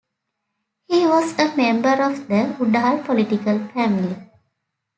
He was a member of the Udall political family.